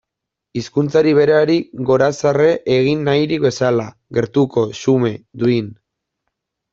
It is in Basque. Hizkuntzari berari gorazarre egin nahirik bezala, gertuko, xume, duin.